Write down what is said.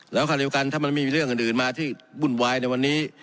แล้วคราวเดียวกันถ้ามันไม่มีเรื่องอื่นมาที่วุ่นวายในวันนี้